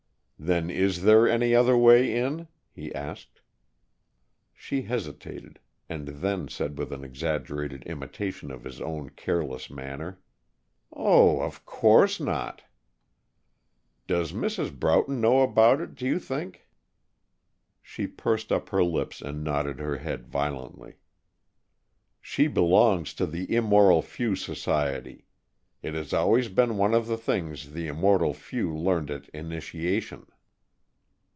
"Then is there any other way in?" he asked. She hesitated, and then said with an exaggerated imitation of his own "careless" manner, "Oh, of course not!" "Does Mrs. Broughton know about it, do you think?" She pursed up her lips and nodded her head violently. "She belongs to the Immortal Few Society. It has always been one of the things the Immortal Few learned at initiation."